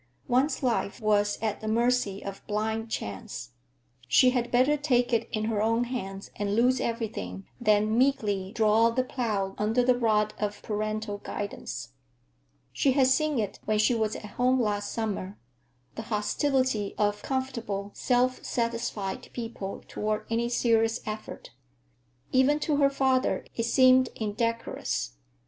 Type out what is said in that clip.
One's life was at the mercy of blind chance. She had better take it in her own hands and lose everything than meekly draw the plough under the rod of parental guidance. She had seen it when she was at home last summer,—the hostility of comfortable, self satisfied people toward any serious effort. Even to her father it seemed indecorous.